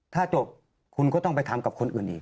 ถ้าจบคุณก็ต้องไปทำกับคนอื่นอีก